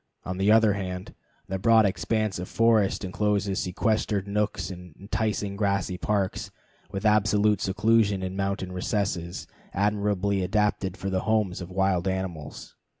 On the other hand, the broad expanse of forest incloses sequestered nooks, and enticing grassy parks, with absolute seclusion in mountain recesses admirably adapted for the homes of wild animals.